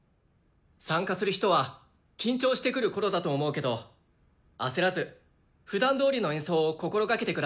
参加する人は緊張してくるころだと思うけど焦らずふだんどおりの演奏を心がけてください。